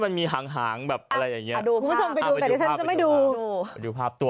มันมีชื่อไหมค่ะ